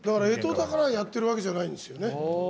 えとだからやってるわけじゃないんですね。